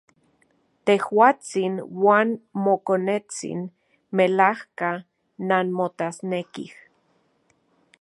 Tejuatsin uan mokonetsin melajka nanmotasnekij.